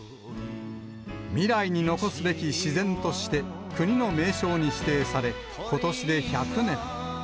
未来に残すべき自然として、国の名勝に指定され、ことしで１００年。